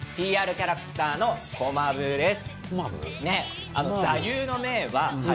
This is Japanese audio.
キャラクターのこまぶぅです。